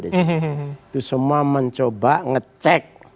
itu semua mencoba ngecek